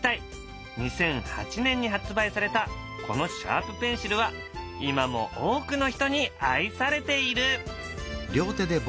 ２００８年に発売されたこのシャープペンシルは今も多くの人に愛されている。